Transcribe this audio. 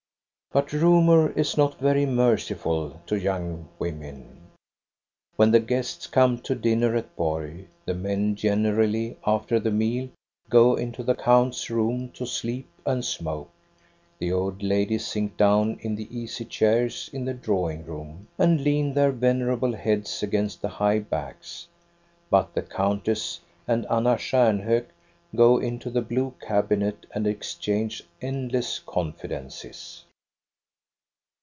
But rumor is not very merciful to young women. When the guests come to dinner at Borg, the men generally, after the meal, go into the count's room to sleep and smoke; the old ladies sink down in the easy chairs in the drawing room, and lean their venerable heads against the high backs; but the countess and Anna Stjarhhok go into the blue cab inet and exchange endless confidences.